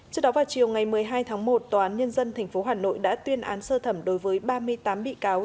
trước đó vào chiều ngày một mươi hai tháng một tòa án nhân dân tp hà nội đã tuyên án sơ thẩm đối với ba mươi tám bị cáo